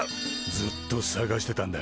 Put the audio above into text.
ずっとさがしてたんだ。